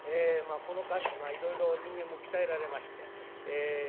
この間にいろいろ人間も鍛えられまして。